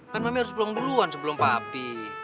kan mami harus pulang duluan sebelum papi